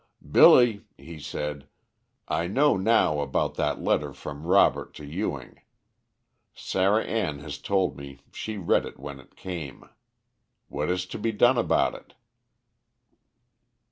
"Billy," he said, "I know now about that letter from Robert to Ewing. Sarah Ann has told me she read it when it came. What is to be done about it?"